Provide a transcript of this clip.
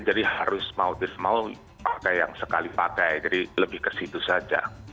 jadi harus mau mau pakai yang sekali pakai jadi lebih ke situ saja